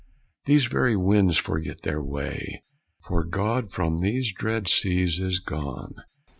These very winds forget their way, For God from these dread seas is gone.